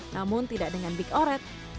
namun tidak dengan big oret